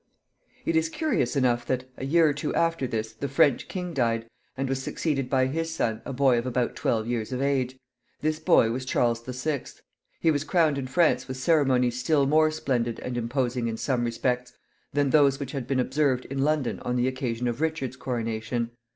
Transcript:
It is curious enough that, a year or two after this, the French king died, and was succeeded by his son, a boy of about twelve years of age. This boy was Charles the Sixth. He was crowned in France with ceremonies still more splendid and imposing in some respects than those which had been observed in London on the occasion of Richard's coronation.